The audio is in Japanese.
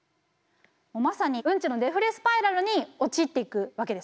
まさにうんちのデフレスパイラルに陥っていくわけですよね。